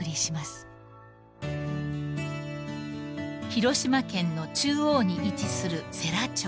［広島県の中央に位置する世羅町］